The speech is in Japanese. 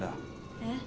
えっ？